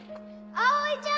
葵ちゃん！